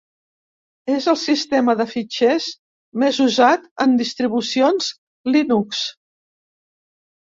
És el sistema de fitxers més usat en distribucions Linux.